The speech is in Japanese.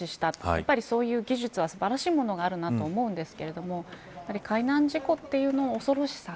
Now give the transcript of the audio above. やっぱりそういう技術は素晴らしいものがあると思うんですけれども海難事故という恐ろしさ。